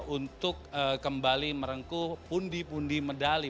untuk kembali merengkuh pundi pundi medali